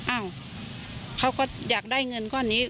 อ้าวเขาก็อยากได้เงินก้อนนี้